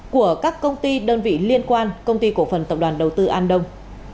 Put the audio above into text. của các công ty đơn vị liên quan công ty cổ phần tập đoàn đầu tư an đông